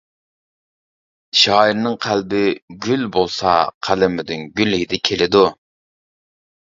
شائىرنىڭ قەلبى گۈل بولسا، قەلىمىدىن گۈل ھىدى كېلىدۇ.